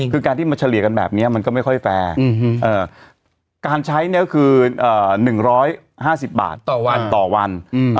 คือการที่มาเฉลี่ยกันแบบนี้มันก็ไม่ค่อยแฟร์การใช้เนี่ยก็คือ๑๕๐บาทต่อวันต่อวัน